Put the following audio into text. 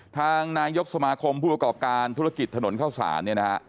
ทางนายกสมาคมผู้ประกอบการธุรกิจถนนเข้าสาร